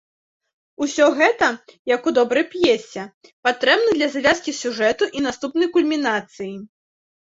Усё гэта, як у добрай п'есе, патрэбна для завязкі сюжэту і наступнай кульмінацыі.